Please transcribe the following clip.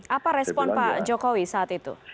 apa respon pak jokowi saat itu